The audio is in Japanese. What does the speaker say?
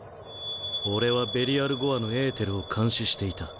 俺はベリアル・ゴアのエーテルを監視していた。